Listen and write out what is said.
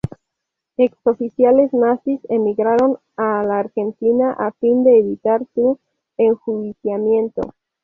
Ex oficiales nazis emigraron a la Argentina, a fin de evitar su enjuiciamiento.